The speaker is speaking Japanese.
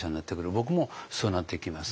僕もそうなっていきます。